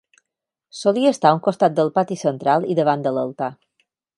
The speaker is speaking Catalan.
Solia estar a un costat del pati central i davant de l'altar.